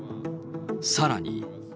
さらに。